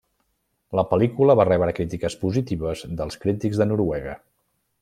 La pel·lícula va rebre crítiques positives dels crítics de Noruega.